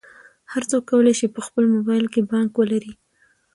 هر څوک کولی شي په خپل موبایل کې بانک ولري.